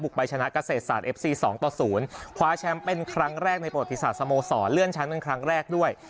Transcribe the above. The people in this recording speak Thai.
ไปชนะเกษตรศาสตร์เอฟซี๒ต่อ๐คว้าแชมป์เป็นครั้งแรกในประวัติศาสตร์สโมสรเลื่อนชั้นเป็นครั้งแรกด้วย